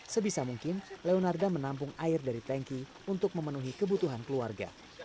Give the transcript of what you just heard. sebisa mungkin leonarda menampung air dari tanki untuk memenuhi kebutuhan keluarga